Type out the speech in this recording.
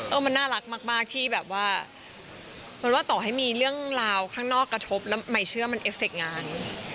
มันน่ารักมากที่แบบว่ามันว่าต่อให้มีเรื่องราวข้างนอกกระทบแล้วใหม่เชื่อมันเอฟเฟคงาน